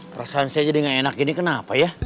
perasaan saya jadi gak enak ini kenapa ya